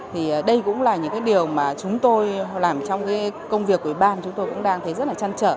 thì đây cũng là những cái điều mà chúng tôi làm trong cái công việc của ủy ban chúng tôi cũng đang thấy rất là chăn trở